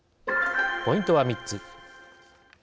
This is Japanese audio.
ポイントは３つ。